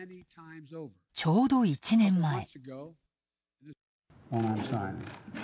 ちょうど１年前。